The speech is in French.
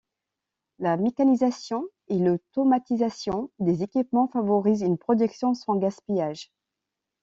La mécanisation et l’automatisation des équipements favorisent une production sans gaspillage.